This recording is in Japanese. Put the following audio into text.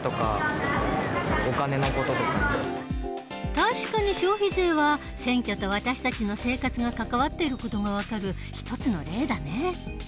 確かに消費税は選挙と私たちの生活が関わっている事が分かる一つの例だね。